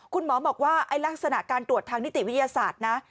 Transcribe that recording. คุณหมอบอกว่าลักษณะการตรวจทางนิติวิทยาศาสตร์นะ